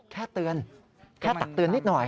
แค่เตือนแค่ตักเตือนนิดหน่อย